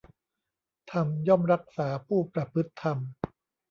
ธรรมย่อมรักษาผู้ประพฤติธรรม